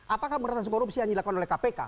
apakah meratasan korupsi yang dilakukan oleh kpk